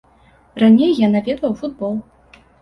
Раней я наведваў футбол.